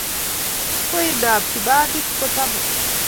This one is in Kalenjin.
koin ab kipandit ko taman